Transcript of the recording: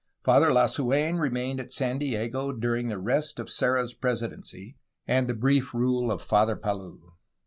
Father Lasu^n remained at San Diego during the rest of Serra's presidency and the brief rule of Father Palou.